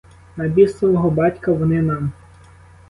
На бісового батька вони нам?